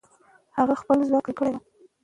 هغه خپل ځواک راټول کړی وو.